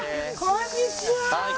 こんにちは。